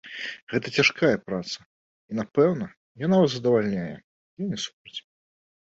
Гэта цяжкая праца, і напэўна, яна вас задавальняе, я не супраць.